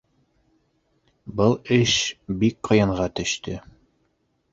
Был эш бик ҡыйынға төштө.